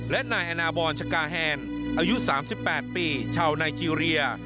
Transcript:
และนายอนาบอนชกาแฮนอายุ๓๘ปีชาวไนเจรีย